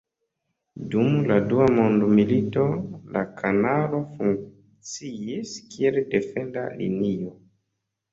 Dum la dua mondmilito la kanalo funkciis kiel defenda linio.